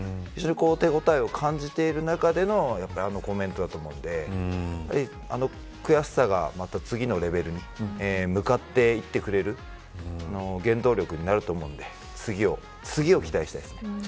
手応えを感じている中でのあのコメントだと思うので悔しさがまた、次のレベルに向かっていってくれる原動力になると思うので次を期待したいですね。